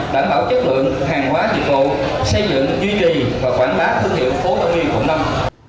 đảm bảo chất lượng hàng hóa dịch vụ xây dựng duy trì và quản bá thương hiệu phố đông y vùng năm